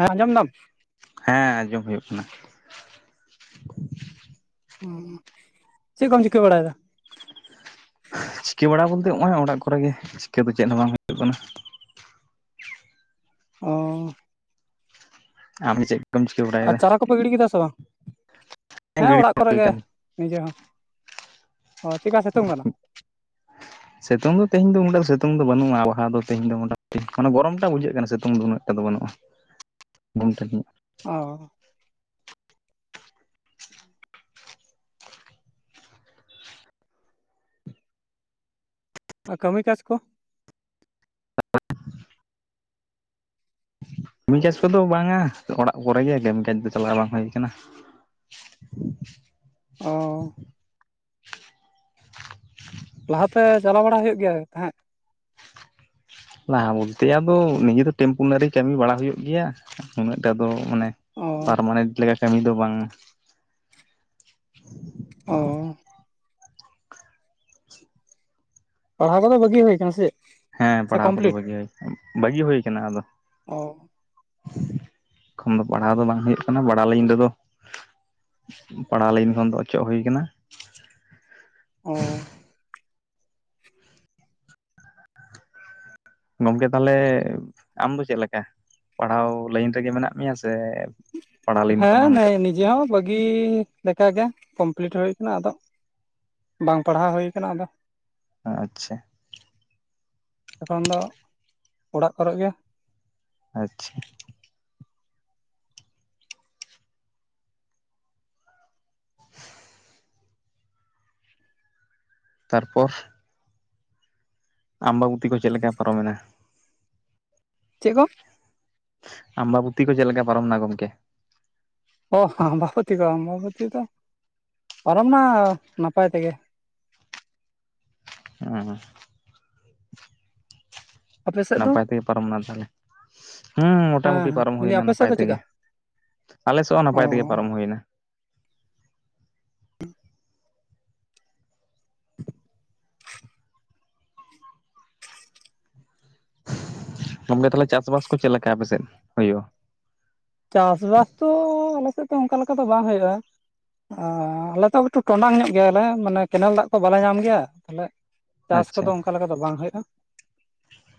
ᱦᱮᱸ ᱟᱸᱡᱚᱢ ᱫᱟᱢ ᱦᱮᱸ ᱟᱸᱡᱚᱢ ᱦᱳᱭᱳᱜ ᱠᱟᱱᱟ ᱚ ᱪᱮᱫ ᱠᱚᱢ ᱪᱤᱠᱟᱹ ᱵᱟᱲᱟᱭ ᱫᱟ ᱪᱤᱠᱟᱹ ᱵᱟᱲᱟ ᱵᱚᱞᱛᱮ ᱱᱚᱜᱼᱚᱭ ᱚᱲᱟᱜ ᱠᱚᱨᱮ ᱜᱮ ᱪᱤᱠᱟᱹ ᱫᱚ ᱪᱮᱫ ᱦᱚᱸ ᱵᱟᱝ ᱦᱩᱭᱩᱜ ᱠᱟᱱᱟ ᱚ ᱟᱢ ᱜᱮ ᱪᱮᱫ ᱠᱚᱢ ᱪᱤᱠᱟᱹ ᱵᱟᱲᱟᱭ ᱫᱟ ᱦᱩᱲᱩ ᱯᱮ ᱜᱮᱰᱤ ᱠᱮᱫᱟ ᱥᱮ ᱵᱟᱝ ᱦᱮᱸ ᱜᱤᱲᱤ ᱚᱲᱟᱜ ᱠᱚᱨᱮ ᱦᱩᱭ ᱜᱮ ᱠᱟᱱ ᱱᱤᱡᱮ ᱦᱚᱸ ᱚ ᱪᱮᱫᱠᱟ ᱥᱤᱛᱩᱝ ᱠᱟᱱᱟ [unintelligible] ᱥᱤᱛᱩᱝ ᱫᱚᱦᱮᱧ ᱫᱚ ᱩᱱᱟᱹᱜ ᱫᱚ ᱥᱤᱛᱩᱝ ᱫᱚ ᱵᱟᱹᱱᱩᱜᱼᱟ ᱞᱟᱦᱟ ᱫᱚ ᱢᱚᱴᱟᱢᱩᱴᱤ ᱢᱟᱱᱮ ᱜᱚᱨᱚᱢ ᱴᱟᱜ ᱵᱩᱡᱷᱟᱹᱜ ᱠᱟᱱᱟ ᱥᱤᱛᱩᱝ ᱫᱚ ᱩᱱᱟᱹᱜ ᱴᱟ ᱫᱚ ᱵᱟᱹᱱᱩᱜᱼᱟ [unintelligible] ᱚ ᱠᱟᱹᱢᱤ ᱠᱟᱡ ᱠᱚ [unintelligible] ᱠᱟᱹᱢᱤ ᱠᱟᱡᱽ ᱠᱚᱫᱚ ᱵᱟᱝᱟ ᱚᱲᱟᱜ ᱠᱚᱨᱮ ᱜᱮ ᱠᱟᱹᱢᱤ ᱠᱟᱡᱽ ᱫᱚ ᱪᱟᱞᱟᱣ ᱵᱟᱝ ᱦᱩᱭ ᱠᱟᱱᱟ᱾ [unintelligible] ᱚ ᱞᱟᱦᱟᱛᱮ ᱪᱟᱞᱟᱣ ᱵᱟᱲᱟ ᱦᱩᱭᱩᱜ ᱜᱮᱭᱟ ᱛᱟᱦᱮᱸᱫ ᱞᱟᱦᱟ ᱵᱚᱞᱛᱮ ᱟᱫᱚ ᱱᱤᱡᱮ ᱫᱚ ᱴᱮᱢᱯᱳᱱᱟᱨᱤ ᱠᱟᱹᱢᱤ ᱵᱟᱲᱟ ᱦᱩᱭᱩᱜ ᱜᱮᱭᱟ ᱩᱱᱟᱹᱜᱴᱟ ᱫᱚ ᱢᱟᱱᱮ ᱚ ᱯᱟᱨᱢᱟᱱᱮᱱᱴ ᱞᱮᱠᱟ ᱠᱟᱹᱢᱤ ᱫᱚ ᱵᱟᱝ᱾ [inaudible] ᱚ ᱯᱟᱲᱦᱟᱣ ᱠᱚᱫᱚ ᱵᱟᱹᱜᱤ ᱦᱩᱭ ᱟᱠᱟᱱᱟ ᱥᱮ? ᱦᱮᱸ ᱥᱮ ᱯᱟᱲᱦᱟᱣ ᱠᱚᱫᱚ ᱠᱚᱢᱯᱞᱤᱴ ᱵᱟᱹᱜᱤ ᱦᱩᱭ ᱵᱟᱹᱜᱤ ᱦᱩᱭ ᱠᱟᱱᱟ ᱟᱫᱚ᱾ ᱚ ᱮᱠᱷᱚᱱ ᱫᱚ ᱯᱟᱲᱦᱟᱣ ᱫᱚ ᱵᱟᱝ ᱦᱩᱭᱩᱜ ᱠᱟᱱᱟ ᱵᱟᱲᱟ ᱞᱟᱭᱤᱱ ᱨᱮᱫᱚ ᱯᱟᱲᱦᱟᱣ ᱞᱟᱭᱤᱱ ᱠᱷᱚᱱ ᱫᱚ ᱚᱪᱚᱜ ᱦᱳᱭ ᱠᱟᱱᱟ ᱚᱻ ᱜᱚᱝᱠᱮ ᱛᱟᱦᱞᱮ ᱟᱢ ᱫᱚ ᱪᱮᱫ ᱞᱮᱠᱟ ᱯᱟᱲᱦᱟᱣ ᱞᱟᱭᱤᱱ ᱨᱮ ᱜᱮ ᱢᱮᱱᱟᱜ ᱢᱮᱭᱟ ᱥᱮ ᱯᱟᱲᱦᱟᱣ ᱞᱟᱭᱤᱱ ᱠᱷᱚᱱ ᱦᱮᱸ ᱦᱚᱸ ᱱᱮ ᱱᱤᱡᱮ ᱦᱚᱸ ᱵᱟᱹᱜᱤ ᱞᱮᱠᱟ ᱜᱮ ᱠᱚᱢᱯᱞᱤᱴ ᱦᱩᱭ ᱟᱠᱟᱱᱟ ᱟᱫᱚ ᱵᱟᱝ ᱯᱟᱲᱦᱟᱣ ᱦᱩᱭ ᱟᱠᱟᱱᱟ ᱟᱫᱚ᱾ ᱟᱪᱪᱷᱟ ᱮᱠᱷᱚᱱ ᱫᱚ ᱚᱲᱟᱜ ᱠᱚᱨᱮ ᱜᱮ᱾ ᱟᱪᱪᱷᱟ ᱛᱟᱨᱯᱚᱨ ᱟᱢᱵᱟᱵᱩᱛᱤ ᱠᱚ ᱪᱮᱫ ᱞᱮᱠᱟ ᱯᱟᱨᱚᱢᱮᱱᱟ? ᱪᱮᱫ ᱠᱚ ᱟᱢᱵᱟᱵᱩᱛᱤ ᱠᱚ ᱪᱮᱫ ᱞᱮᱠᱟ ᱯᱟᱨᱚᱢᱱᱟ ᱜᱚᱝᱠᱮ? ᱚ ᱦᱚᱸ ᱟᱢᱵᱟᱵᱚᱛᱤ ᱠᱚ ᱵᱟᱵᱚᱛᱤ ᱫᱚ ᱯᱚᱨᱚᱢ ᱱᱟ ᱱᱟᱯᱟᱭ ᱛᱮᱜᱮ᱾ ᱦᱮᱸ ᱟᱯᱮ ᱥᱮᱫ ᱫᱚ ᱱᱟᱯᱟᱭ ᱛᱮᱜᱮ ᱯᱟᱨᱚᱢ ᱮᱱᱟ ᱛᱟᱦᱚᱞᱮ ᱦᱮᱸ ᱦᱮᱸ ᱢᱚᱴᱟᱢᱩᱴᱤ ᱯᱟᱨᱚᱢ ᱢᱮᱱᱫᱟᱹᱧ ᱦᱩᱭᱱᱟ ᱟᱯᱮ ᱥᱮᱫ ᱱᱟᱯᱟᱭ ᱫᱚ ᱛᱮᱜᱮ᱾ ᱪᱮᱫᱠᱟ ᱟᱞᱮᱥᱮᱫ ᱦᱚᱸ ᱚ ᱱᱟᱯᱟᱭ ᱛᱮᱜᱮ ᱯᱟᱨᱚᱢ ᱦᱩᱭᱮᱱᱟ᱾ ᱜᱚᱝᱠᱮ ᱛᱟᱦᱞᱮ ᱪᱟᱥᱵᱟᱥ ᱠᱚ ᱪᱮᱫᱞᱠᱟ ᱟᱯᱮᱥᱮᱫ ᱦᱩᱭᱩᱜᱼᱟ? ᱪᱟᱥᱵᱟᱥ ᱛᱚ ᱟᱞᱮᱥᱮᱫ ᱫᱚ ᱚᱱᱠᱟ ᱞᱮᱠᱟ ᱫᱚ ᱵᱟᱝ ᱦᱩᱭᱩᱜᱼᱟ᱾ ᱚ ᱟᱞᱮ ᱛᱚ ᱮᱠᱴᱩ ᱴᱚᱸᱰᱟᱝ ᱧᱚᱜ ᱜᱮᱭᱟᱞᱮ ᱢᱟᱱᱮ ᱠᱮᱱᱮᱞ ᱫᱟᱜ ᱠᱚ ᱵᱟᱞᱮ ᱧᱟᱢ ᱜᱮᱭᱟ ᱛᱟᱦᱞᱮ ᱪᱟᱥ ᱠᱚᱫᱚ ᱟᱪᱪᱷᱟ ᱚᱱᱠᱟ ᱞᱮᱠᱟ ᱫᱚ ᱵᱟᱝ ᱦᱩᱭᱩᱜᱼᱟ᱾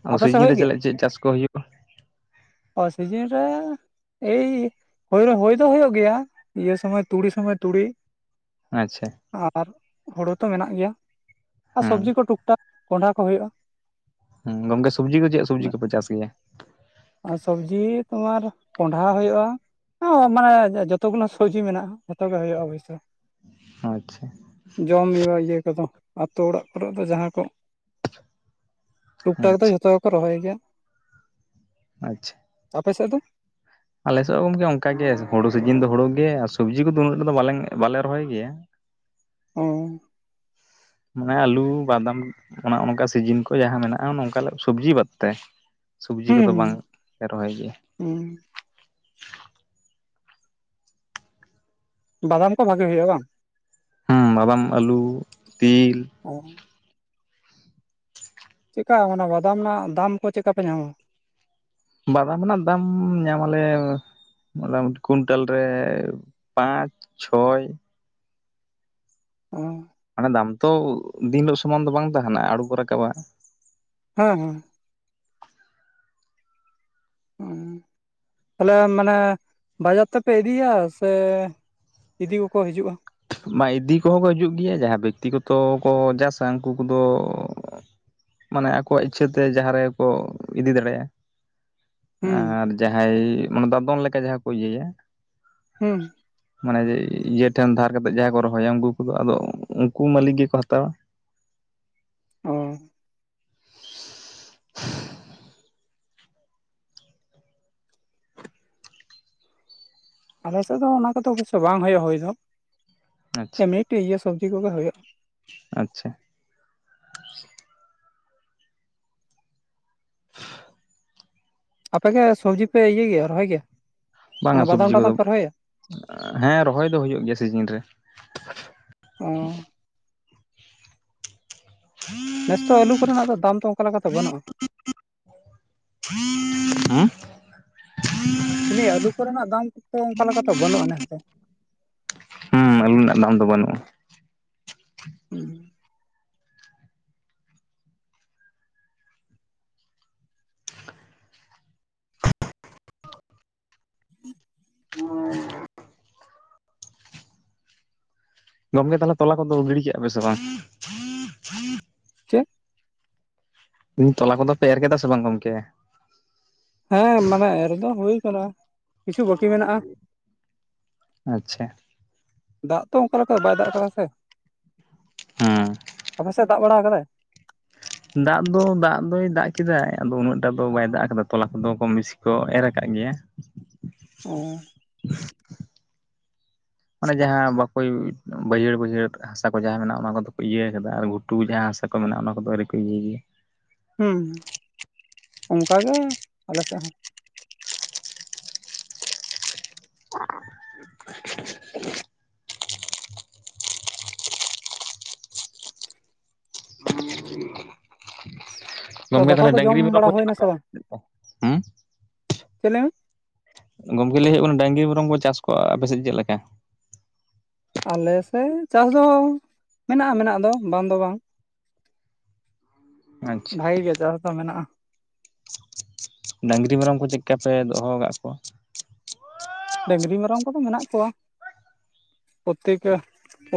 ᱟᱫᱚ ᱟᱯᱮ ᱥᱮᱫ ᱥᱤᱡᱤᱱ ᱨᱮ ᱦᱩᱭᱩᱜ ᱪᱮᱫ ᱜᱮᱭᱟ? ᱪᱮᱫ ᱪᱟᱥ ᱠᱚ ᱦᱩᱭᱩᱜᱼᱟ ᱚ ᱥᱤᱡᱤᱱ ᱨᱮ ᱮᱭ ᱦᱳᱭ ᱨᱮ ᱦᱳᱭ ᱫᱚ ᱦᱩᱭᱩᱜ ᱜᱮᱭᱟ ᱤᱭᱟᱹ ᱥᱚᱢᱚᱭ ᱛᱩᱲᱤ ᱥᱚᱢᱚᱭ ᱛᱩᱲᱤ ᱟᱪᱪᱷᱟ ᱟᱨ ᱦᱳᱲᱩ ᱛᱚ ᱢᱮᱱᱟᱜ ᱜᱮᱭᱟ ᱟᱨ ᱦᱮᱸ ᱥᱚᱵᱽᱡᱤ ᱠᱚ ᱴᱩᱠᱴᱟᱠ ᱠᱚᱸᱰᱷᱟ ᱠᱚ ᱦᱩᱭᱩᱜᱼᱟ᱾ ᱦᱩᱸ ᱜᱚᱝᱠᱮ ᱥᱚᱵᱽᱡᱤ ᱠᱚ ᱪᱮᱫ ᱥᱚᱵᱽᱡᱤ ᱠᱚ ᱯᱮ ᱪᱟᱥ ᱜᱮᱭᱟ? ᱟᱨ ᱥᱚᱵᱽᱡᱤ ᱛᱩᱢᱟᱨ ᱠᱚᱸᱰᱷᱟ ᱦᱩᱭᱩᱜᱼᱟ ᱟ ᱢᱟᱱᱮ ᱡᱚᱛᱚ ᱜᱩᱞᱟ ᱥᱚᱵᱽᱡᱤ ᱢᱮᱱᱟᱜᱼᱟ ᱡᱚᱛᱚ ᱜᱮ ᱦᱩᱭᱩᱜᱼᱟ ᱚᱵᱚᱥᱥᱳᱭ᱾ ᱟᱪᱪᱷᱟ ᱡᱚᱢᱧᱣᱟᱜ ᱤᱭᱟᱹ ᱠᱚᱫᱚ ᱟᱛᱳ ᱚᱲᱟᱜ ᱠᱚᱨᱮ ᱫᱚ ᱡᱟᱦᱟᱸ ᱠᱚ ᱴᱩᱠ ᱴᱟᱠ ᱫᱚ ᱟᱪᱪᱷᱟ ᱡᱷᱚᱛᱚ ᱜᱮᱠᱚ ᱨᱚᱦᱚᱭ ᱜᱮᱭᱟ᱾ ᱟᱪᱪᱷᱟ ᱟᱯᱮ ᱥᱮᱫ ᱫᱚ? ᱟᱞᱮ ᱥᱮᱫ ᱦᱚᱸ ᱜᱚᱢᱠᱮ ᱚᱱᱠᱟ ᱜᱮ ᱦᱩᱲᱩ ᱥᱤᱡᱤᱱ ᱫᱚ ᱦᱩᱲᱩ ᱜᱮ ᱟᱨ ᱥᱚᱵᱽᱡᱤ ᱠᱚᱫᱚ ᱩᱱᱟᱹᱜ ᱫᱚᱞ ᱵᱟᱞᱮ ᱨᱚᱦᱚᱭ ᱜᱮᱭᱟ᱾ ᱚ ᱢᱟᱱᱮ ᱟᱞᱩ ᱵᱟᱫᱟᱢ ᱚᱱᱮ ᱚᱱᱠᱟ ᱥᱤᱡᱤᱱ ᱠᱚ ᱡᱟᱦᱟᱸ ᱢᱮᱱᱟᱜᱼᱟ ᱚᱱᱠᱟ ᱥᱚᱵᱽᱡᱤ ᱵᱟᱫ ᱛᱮ᱾ ᱥᱚᱵᱽᱡᱤ ᱠᱚᱫᱚ ᱦᱩᱸ ᱵᱟᱝ ᱞᱮ ᱨᱚᱦᱚᱭ ᱜᱮᱭᱟ᱾ ᱦᱩᱸ ᱵᱟᱫᱟᱢ ᱠᱚ ᱵᱷᱟᱹᱜᱤ ᱦᱩᱭᱩᱜᱼᱟ ᱵᱟᱝ ᱦᱮᱸ ᱵᱟᱵᱟᱢ ᱟᱹᱞᱩ ᱛᱤᱞ ᱚ ᱪᱮᱫᱠᱟ ᱚᱱᱟ ᱵᱟᱫᱟᱢ ᱨᱮᱱᱟᱜ ᱫᱟᱢ ᱠᱚ ᱪᱮᱫ ᱞᱮᱠᱟ ᱯᱮ ᱧᱟᱢᱟ? ᱵᱟᱫᱟᱢ ᱨᱮᱱᱟᱜ ᱫᱟᱢ ᱧᱟᱢᱟᱞᱮ ᱾ [inaudible] ᱠᱩᱭᱱᱴᱟᱞ ᱨᱮ ᱯᱟᱸᱪ ᱪᱷᱚᱭ ᱦ ᱢᱟᱱᱮ ᱫᱟᱢ ᱛᱚ ᱫᱤᱱ ᱦᱤᱞᱳᱜ ᱥᱚᱢᱟᱱ ᱫᱚ ᱵᱟᱝ ᱛᱟᱦᱮᱱᱟ ᱟᱬᱜᱳ ᱨᱟᱠᱟᱵᱟ᱾ ᱦᱮᱸ ᱦᱮᱸ ᱾ [inaudible] ᱛᱟᱦᱞᱮ ᱢᱟᱱᱮ ᱵᱟᱡᱟᱨ ᱛᱮᱯᱮ ᱤᱫᱤᱭᱟ ᱥᱮ ᱤᱫᱤ ᱠᱚᱠᱚ ᱦᱤᱡᱩᱜᱼᱟ᱾ ᱵᱟᱝ ᱤᱫᱤ ᱠᱚᱦᱚᱸ ᱠᱚ ᱦᱤᱡᱩᱜ ᱜᱮᱭᱟ ᱡᱟᱦᱟᱸᱭ ᱵᱮᱠᱛᱤᱜᱚᱛᱚ ᱠᱚ ᱪᱟᱥᱟ ᱩᱱᱠᱩ ᱠᱚᱫᱚ ᱢᱟᱱᱮ ᱟᱠᱚᱣᱟᱜ ᱤᱪᱪᱷᱟᱹ ᱛᱮ ᱡᱟᱦᱟᱸ ᱨᱮᱠᱚ ᱤᱫᱤ ᱫᱟᱲᱮᱭᱟᱜᱼᱟ ᱾ ᱦᱩᱸ ᱟᱨ ᱡᱟᱦᱟᱸᱭ ᱢᱟᱱᱮ ᱫᱟᱫᱚᱱ ᱞᱮᱠᱟ ᱡᱟᱦᱟᱸ ᱠᱚ ᱤᱭᱟᱹᱭᱟ ᱦᱮᱸ ᱢᱟᱱᱮ ᱡᱮ ᱤᱭᱟᱹ ᱴᱷᱮᱱ ᱫᱷᱟᱨ ᱠᱟᱛᱮᱫ ᱡᱟᱦᱟᱸᱭ ᱠᱚ ᱨᱚᱦᱚᱭᱟ ᱩᱱᱠᱩ ᱠᱚᱫᱚ ᱟᱫᱚ ᱩᱱᱠᱩ ᱢᱟᱹᱞᱤᱠ ᱜᱮᱠᱚ ᱦᱟᱛᱟᱣᱟ᱾ ᱦᱩᱸ ᱟᱞᱮ ᱥᱮᱫ ᱫᱚ ᱚᱱᱟ ᱠᱚᱫᱚ ᱚᱵᱚᱥᱳᱭ ᱵᱟᱝ ᱦᱩᱭᱩᱜ-ᱟ ᱦᱩᱭ ᱫᱚ᱾ ᱟᱪᱪᱷᱟ᱾ ᱢᱤᱫᱴᱤᱡ ᱤᱭᱟᱹ ᱥᱚᱵᱽᱡᱤ ᱠᱚᱜᱮ ᱦᱳᱭᱳᱜ᱾ ᱟᱪᱪᱷᱟ ᱾ ᱟᱯᱮᱜᱮ ᱥᱚᱵᱡᱤ ᱯᱮ ᱤᱭᱟᱹ ᱜᱮᱭᱟ ᱨᱚᱦᱚᱭ ᱜᱮᱭᱟ? ᱵᱟᱝᱟ ᱚᱱᱟ ᱵᱟᱫᱟᱢ ᱥᱚᱵᱡᱤ ᱠᱚᱫᱚ ᱴᱟᱫᱟᱢ ᱯᱮ ᱨᱚᱦᱚᱭᱟ ᱦᱮᱸ ᱨᱚᱦᱚᱭ ᱫᱚ ᱦᱩᱭᱩᱜ ᱜᱮᱭᱟ ᱥᱤᱡᱤᱱ ᱨᱮ᱾ ᱚ ᱱᱮᱥᱛᱚ ᱟᱞᱩ ᱠᱚᱨᱮᱱᱟᱜ ᱫᱚ ᱫᱟᱢ ᱫᱚ ᱚᱱᱠᱟ ᱞᱮᱠᱟᱛᱮ ᱵᱟᱹᱱᱩᱜᱼᱟ᱾ ᱦᱩ᱾ ᱢᱮᱱ ᱫᱟᱹᱧ ᱟᱹᱞᱩ ᱠᱚᱨᱮᱱᱟᱜ ᱫᱟᱢ ᱠᱚᱛᱚ ᱚᱝᱠᱟ ᱞᱮᱠᱟ ᱛᱚ ᱵᱟᱹᱱᱩᱜᱼᱟ ᱱᱮᱥ ᱫᱚ ᱾ ᱦᱩᱸ ᱟᱹᱞᱩ ᱨᱮᱱᱟᱜ ᱫᱟᱢ ᱫᱚ ᱵᱟᱹᱱᱩᱜ-ᱟ᱾ ᱦᱩᱸ᱾ [inaudible] [inaudible] ᱜᱚᱢᱠᱮ ᱛᱟᱦᱚᱞᱮ ᱛᱚᱞᱟ ᱠᱚᱫᱚ ᱜᱤᱲᱤ ᱠᱮᱜᱼᱟ ᱯᱮ ᱥᱮ ᱵᱟᱝ? ᱪᱮᱫ? ᱢᱮᱱ ᱫᱟᱹᱧ ᱛᱚᱞᱟ ᱠᱚᱫᱚ ᱯᱮ ᱮᱨ ᱠᱮᱫᱟ ᱥᱮ ᱵᱟᱝ ᱜᱚᱢᱠᱮ? ᱦᱮᱸ ᱢᱟᱱᱮ ᱮᱨ ᱫᱚ ᱦᱩᱭ ᱟᱠᱟᱱᱟ, ᱠᱤᱪᱷᱩ ᱵᱟᱹᱠᱤ ᱢᱮᱱᱟᱜᱼᱟ᱾ ᱟᱪᱪᱷᱟ᱾ ᱫᱟᱜ ᱛᱚ ᱚᱝᱠᱟ ᱞᱮᱠᱟ ᱵᱟᱭ ᱫᱟᱜ ᱠᱟᱫᱟ ᱥᱮ, ᱦᱮᱸ ᱟᱯᱮᱥᱮᱫ ᱫᱟᱜ ᱵᱟᱲᱟ ᱟᱠᱟᱫᱟᱭ᱾ ᱫᱟᱜ ᱫᱚ ᱫᱟᱜ ᱫᱚᱭ ᱫᱟᱜ ᱠᱮᱫᱟᱭ ᱟᱫᱚ ᱩᱱᱟᱹᱜ ᱴᱟ ᱫᱚ ᱵᱟᱭ ᱫᱟᱜ ᱟᱠᱟᱫᱟ ᱛᱚᱞᱟ ᱠᱚᱫᱚ ᱠᱚᱢ ᱵᱮᱥᱤ ᱠᱚ ᱮᱨ ᱟᱠᱟᱜ ᱜᱮᱭᱟ ᱾ [inaudible] ᱚ᱾ ᱟᱱᱮ ᱡᱟᱦᱟᱸ ᱵᱟᱠᱚ ᱵᱟᱹᱭᱦᱟᱹᱲ ᱵᱟᱹᱭᱦᱟᱹᱲ ᱦᱟᱥᱟ ᱠᱚ ᱡᱟᱦᱟᱸ ᱢᱮᱱᱟᱜᱼᱟ ᱚᱱᱟ ᱠᱚᱫᱚ ᱠᱚ ᱤᱭᱟᱹ ᱟᱠᱟᱫᱟ ᱜᱷᱩ ᱴᱩ ᱡᱟᱦᱟᱸ ᱦᱟᱥᱟ ᱠᱚ ᱢᱮᱱᱟᱜᱼᱟ ᱚᱱᱟ ᱠᱚᱫᱚ ᱟᱹᱨᱤ ᱠᱚ ᱤᱭᱟᱹᱭ ᱜᱮᱭᱟ᱾ ᱦᱩᱸ ᱦᱩᱸ ᱚᱝᱠᱟ ᱜᱮ ᱟᱞᱮ ᱥᱮᱫ ᱦᱚᱸ ᱾ [unintelligible] ᱛᱚ ᱜᱚᱢᱠᱮ ᱫᱟᱠᱟ ᱛᱟᱦᱞᱮ ᱠᱚ ᱡᱚᱢ ᱰᱟᱝᱨᱤ ᱢᱮᱨᱚᱢ ᱵᱟᱲᱟ ᱠᱚ ᱦᱩᱭᱱᱟ ᱥᱮ ᱵᱟᱝ [unintelligible] ᱪᱮᱫ ᱞᱟᱹᱭ ᱢᱮ ᱜᱚᱢᱠᱮ ᱞᱟᱹᱭ ᱦᱳᱭᱳᱜ ᱠᱟᱱᱟ ᱰᱟᱝᱜᱤ ᱢᱮᱨᱚᱢ ᱠᱚ ᱪᱟᱥ ᱠᱚ ᱟᱯᱮᱥᱮᱫ ᱪᱮᱫ ᱞᱮᱠᱟ? ᱟᱞᱮᱥᱮᱫ ᱪᱟᱥ ᱫᱚ ᱢᱮᱱᱟᱜᱼᱟ ᱢᱮᱱᱟᱜ ᱫᱚ ᱵᱟᱝ ᱫᱚ ᱵᱟᱝ ᱾ ᱟᱪᱪᱷᱟ ᱵᱷᱟᱹᱜᱤ ᱜᱮ ᱪᱟᱥ ᱫᱚ ᱢᱮᱱᱟᱜᱼᱟ ᱾ ᱰᱟᱹᱝᱨᱤ ᱢᱮᱨᱚᱢ ᱠᱚ ᱪᱮᱫᱠᱟ ᱯᱮ ᱫᱚᱦᱚ ᱠᱟᱜ ᱠᱚᱣᱟ? ᱰᱟᱹᱝᱨᱤ ᱢᱮᱨᱚᱢ ᱠᱚᱫᱚ ᱢᱮᱱᱟᱜ ᱠᱚᱣᱟ ᱾ ᱯᱨᱚᱛᱛᱮᱠ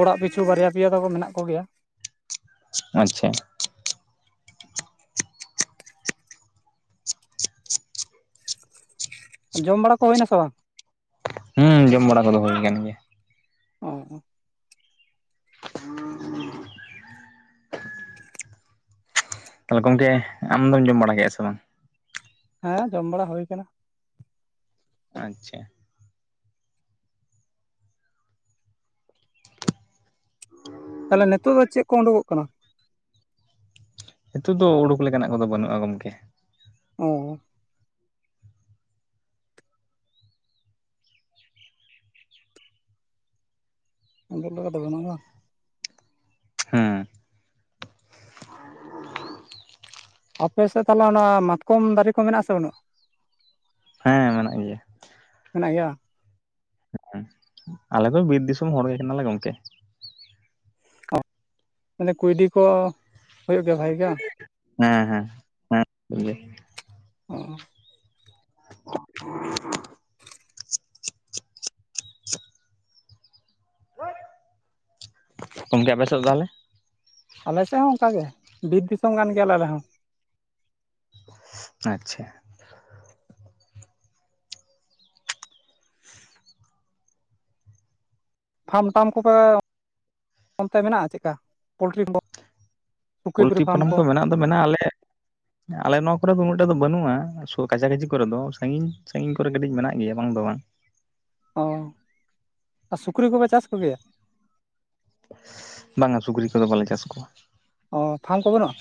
ᱚᱲᱟᱜ ᱯᱤᱪᱷᱩ ᱵᱟᱨᱭᱟ ᱯᱮᱭᱟ ᱛᱟᱠᱚ ᱢᱮᱱᱟᱜ ᱠᱚᱜᱮᱭᱟ᱾ ᱟᱪᱪᱷᱟ᱾ ᱡᱚᱢ ᱵᱟᱲᱟ ᱠᱚ ᱦᱩᱭᱱᱟ ᱥᱮ ᱵᱟᱝ? ᱦᱩᱸ ᱡᱚᱢ ᱵᱟᱲᱟ ᱠᱚᱫᱚ ᱦᱩᱭ ᱟᱠᱟᱱ ᱜᱮᱭᱟ ᱾ ᱚ ᱛᱟᱦᱞᱮ ᱜᱚᱢᱠᱮ ᱟᱢᱫᱚᱢ ᱡᱚᱢ ᱵᱟᱲᱟ ᱠᱮᱫ-ᱟ ᱥᱮ ᱵᱟᱝ ᱦᱮᱸ ᱡᱚᱢ ᱵᱟᱲᱟ ᱦᱩᱭ ᱠᱟᱱᱟ ᱟᱪᱪᱷᱟ ᱛᱟᱦᱚᱞᱮ ᱱᱤᱛᱚᱜ ᱫᱚ ᱪᱮᱫ ᱠᱚ ᱩᱰᱩᱜ ᱠᱚᱜ ᱠᱟᱱᱟ ᱱᱤᱛᱚᱜ ᱫᱚ ᱩᱰᱩᱠ ᱞᱮᱠᱟᱱᱟᱜ ᱠᱚᱫᱚ ᱵᱟᱹᱱᱩᱜ-ᱟ ᱜᱚᱝᱠᱮ ᱚ [unintelligible] ᱦᱮᱸ ᱾ ᱟᱯᱮ ᱥᱮᱫ ᱛᱟᱦᱞᱮ ᱚᱱᱟ ᱢᱟᱛᱠᱚᱢ ᱫᱟᱨᱮ ᱠᱚ ᱢᱮᱱᱟᱜ-ᱟᱥᱮ ᱵᱟᱹᱱᱩᱜ-ᱟ ᱦᱮᱸ ᱢᱮᱱᱟᱜ ᱜᱮᱭᱟ ᱢᱮᱱᱟᱜ ᱜᱮᱭᱟ ᱟᱞᱮ ᱫᱚ ᱵᱤᱨ ᱫᱤᱥᱚᱢ ᱦᱚᱲ ᱜᱮ ᱠᱟᱱᱟ ᱞᱮ ᱜᱚᱢᱠᱮ ᱚ ᱢᱟᱱᱮ ᱠᱩᱭᱰᱤ ᱠᱚ ᱦᱩᱭᱩᱜ ᱜᱮᱭᱟ ᱵᱷᱟᱹᱜᱤ ᱜᱮ ᱵᱟᱝ ᱦᱮᱸ ᱦᱮᱸ ᱦᱮᱸ ᱚ ᱜᱚᱢᱠᱮ ᱟᱵᱮᱱ ᱥᱮᱫ ᱫᱚ ᱛᱟᱦᱚᱞᱮ ᱟᱞᱮ ᱥᱮᱫ ᱦᱚᱸ ᱚᱱᱠᱟ ᱜᱮ ᱵᱤᱨ ᱫᱤᱥᱚᱢ ᱠᱟᱱ ᱜᱮᱭᱟ ᱞᱮ ᱟᱞᱮ ᱦᱚᱸ ᱟᱪᱪᱷᱟ ᱯᱷᱟᱢ ᱴᱟᱢ ᱠᱚᱯᱮ ᱚᱱᱛᱮ ᱢᱮᱱᱟᱜ-ᱟ ᱪᱮᱫᱠᱟ ᱯᱳᱞᱴᱨᱤ ᱥᱩᱠᱨᱤ ᱯᱩᱠᱨᱤ ᱯᱳᱞᱴᱨᱤ ᱯᱷᱟᱨᱢ ᱯᱷᱟᱨᱟᱢ ᱠᱚ ᱢᱮᱱᱟᱜ ᱫᱚ ᱢᱮᱱᱟᱜ-ᱟ ᱟᱞᱮ ᱟᱞᱮ ᱱᱚᱣᱟ ᱠᱚᱨᱮ ᱫᱚ ᱩᱱᱟᱹᱜ ᱴᱟᱜ ᱫᱚ ᱵᱟᱹᱱᱩᱜ-ᱟ ᱠᱟᱪᱟᱠᱟᱪᱷᱤ ᱠᱚᱨᱮ ᱫᱚ ᱥᱟᱺᱜᱤᱧ ᱥᱟᱺᱜᱤᱧ ᱠᱚᱨᱮ ᱠᱟᱹᱴᱤᱡ ᱢᱮᱱᱟᱜ ᱜᱮᱭᱟ ᱵᱟᱝ ᱫᱚ ᱵᱟᱝ ᱚ ᱟᱨ ᱥᱩᱠᱨᱤ ᱠᱚᱯᱮ ᱪᱟᱥ ᱠᱚ ᱜᱮᱭᱟ ᱵᱟᱝᱼᱟ ᱥᱩᱠᱨᱤ ᱠᱚᱫᱚ ᱵᱟᱞᱮ ᱪᱟᱥ ᱠᱚᱣᱟ ᱚ ᱯᱷᱟᱨᱢ ᱠᱚ ᱵᱟᱹᱱᱩᱜ-ᱟ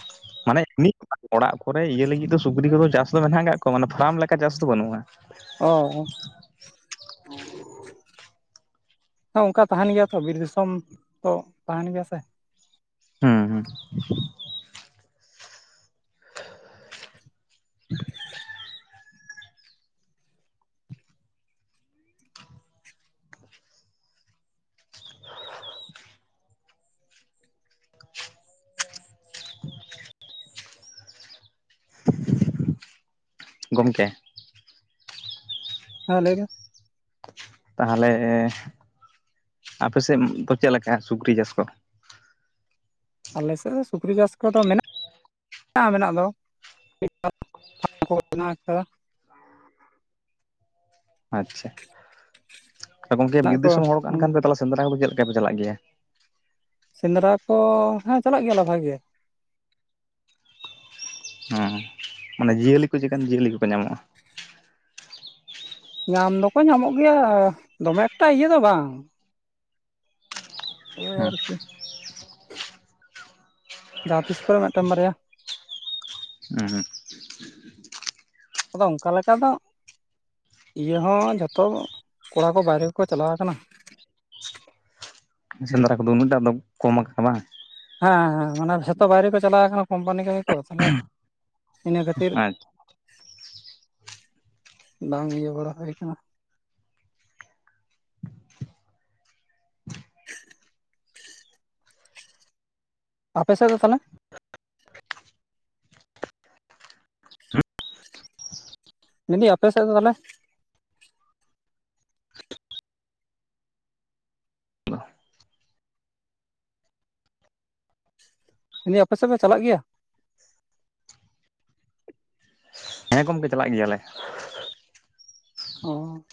ᱢᱟᱱᱮ ᱚᱲᱟᱜ ᱠᱚᱨᱮ ᱤᱭᱟᱹ ᱞᱟᱹᱜᱤᱫ ᱫᱚ ᱥᱩᱠᱨᱤ ᱠᱚᱫᱚ ᱪᱟᱥ ᱫᱚ ᱢᱮᱱᱟᱜ ᱠᱟᱜ ᱠᱚᱣᱟ ᱢᱟᱱᱮ ᱯᱷᱟᱨᱟᱢ ᱞᱮᱠᱟ ᱪᱟᱥ ᱫᱚ ᱵᱟᱹᱱᱩᱜ-ᱟ ᱚ ᱚ ᱚᱱᱠᱟ ᱛᱟᱦᱮᱱ ᱜᱮᱭᱟ ᱛᱚ ᱵᱤᱨ ᱫᱤᱥᱚᱢ ᱛᱚ ᱛᱟᱦᱮᱱ ᱜᱮᱭᱟ ᱥᱮ ᱦᱩᱸ ᱦᱩᱸ ᱜᱚᱢᱠᱮ ᱦᱮᱸ ᱞᱟᱹᱭ ᱢᱮ ᱛᱟᱦᱚᱞᱮ ᱟᱯᱮᱥᱮᱫ ᱫᱚ ᱪᱮᱫ ᱞᱮᱠᱟ ᱥᱩᱠᱨᱤ ᱪᱟᱥ ᱠᱚ ᱟᱞᱮ ᱥᱮᱫ ᱫᱚ ᱥᱩᱠᱨᱤ ᱪᱟᱥ ᱠᱚᱫᱚ ᱢᱮᱱᱟᱜ ᱦᱮᱱᱟᱜᱼᱟ ᱢᱮᱱᱟᱜ ᱫᱚ [inaudible] ᱟᱠᱟᱫᱟ ᱟᱪᱪᱷᱟ ᱜᱚᱝᱠᱮ ᱢᱮᱱᱟᱜ ᱵᱤᱨ ᱠᱚᱣᱟ ᱫᱤᱥᱚᱢ ᱦᱚᱲ ᱠᱟᱱ ᱠᱷᱟᱱ ᱯᱮ ᱛᱟᱞᱮ ᱥᱮᱸᱫᱽᱨᱟ ᱠᱚᱫᱚ ᱪᱮᱫ ᱞᱮᱠᱟ ᱯᱮ ᱪᱟᱞᱟᱜ ᱜᱮᱭᱟ ᱥᱮᱸᱫᱽᱨᱟ ᱠᱚ ᱦᱮᱸ ᱪᱟᱞᱟᱜ ᱜᱮᱭᱟ ᱞᱮ ᱵᱷᱟᱜᱮ ᱜᱮ [unintelligible] ᱢᱟᱱᱮ ᱡᱤᱭᱟᱹᱞᱤ ᱠᱚ ᱪᱮᱠᱟᱱ ᱡᱤᱭᱟᱹᱞᱤ ᱠᱚᱠᱚ ᱧᱟᱢᱚᱜ-ᱟ ᱧᱟᱢ ᱫᱚᱠᱚ ᱧᱟᱢᱚᱜ ᱜᱮᱭᱟ ᱫᱚᱢᱮ ᱮᱠᱴᱟ ᱤᱭᱟᱹ ᱫᱚ ᱵᱟᱝ ᱳᱭ ᱦᱩᱸ ᱟᱨᱠᱤ ᱡᱟᱦᱟᱸ ᱛᱤᱥ ᱠᱚᱨᱮ ᱢᱤᱫᱴᱮᱱ ᱵᱟᱨᱭᱟ ᱦᱩᱸ ᱟᱫᱚ ᱚᱱᱠᱟ ᱞᱮᱠᱟ ᱫᱚ ᱤᱭᱟᱹ ᱦᱚᱸ ᱡᱚᱛᱚ ᱠᱚᱲᱟ ᱠᱚ ᱵᱟᱨᱦᱮ ᱠᱚᱠᱚ ᱪᱟᱞᱟᱣ ᱟᱠᱟᱱᱟ ᱥᱮᱸᱫᱽᱨᱟ ᱠᱚᱫᱚ ᱩᱱᱟᱹᱜ ᱴᱟᱜ ᱫᱚ ᱠᱚᱢ ᱠᱟᱱᱟ ᱵᱟᱝ ᱦᱮᱸ ᱦᱮᱸ ᱢᱟᱱᱮ ᱡᱷᱚᱛᱚ ᱵᱟᱭᱨᱮ ᱠᱚ ᱪᱟᱞᱟᱣ ᱠᱟᱱᱟ ᱠᱳᱢᱯᱟᱱᱤ ᱠᱟᱹᱢᱤ ᱠᱚ ᱛᱟᱦᱚᱞᱮ ᱤᱱᱟᱹᱠᱷᱟᱹᱛᱤᱨ ᱟᱪᱪᱷᱟ ᱵᱟᱝ ᱤᱭᱟᱹ ᱵᱟᱲᱟ ᱦᱩᱭ ᱠᱟᱱᱟ᱾ ᱟᱯᱮ ᱥᱮᱫ ᱫᱚ ᱛᱟᱷᱟᱞᱮ? ᱢᱤᱱ ᱫᱤᱧ ᱟᱯᱮ ᱥᱮᱫ ᱫᱚ ᱛᱷᱟᱞᱮ? ᱢᱤᱱ ᱫᱤᱧ ᱟᱯᱮ ᱥᱮᱫ ᱫᱚ ᱪᱟᱞᱟᱜ ᱜᱮᱭᱟ? ᱦᱮᱸ ᱜᱚᱢᱜᱮ ᱪᱟᱞᱟᱜ ᱜᱮᱭᱟᱞᱮ᱾ ᱚ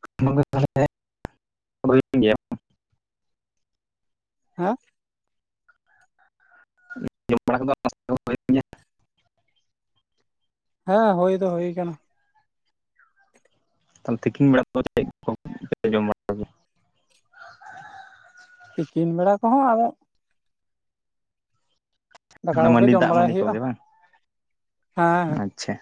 [inaudible] [inaudible] ᱦᱟᱸ ᱡᱚᱢ ᱵᱟᱲᱟ ᱠᱮᱫᱟᱢ [inaudible] ᱦᱮ ᱦᱩᱭ ᱫᱚ ᱦᱩᱭ ᱠᱟᱱᱟ ᱛᱟᱦᱚᱞᱮ ᱛᱤᱠᱤᱱ ᱵᱮᱲᱟ ᱫᱚ ᱪᱮᱫ ᱠᱚᱯᱮ ᱡᱚᱢ ᱵᱟᱲᱟ ᱛᱤᱠᱤᱱ ᱵᱮᱲᱟ ᱠᱚᱦᱚᱸ ᱫᱟᱠᱟ ᱚᱱᱟ ᱠᱚᱜᱮ ᱢᱟᱹᱰᱤ ᱡᱚᱢ ᱫᱟᱜ ᱵᱟᱲᱟᱭ ᱢᱟᱹᱰᱤ ᱦᱩᱭᱩᱜᱼᱟ, ᱦᱮᱸ᱾ ᱟᱪᱷᱟ᱾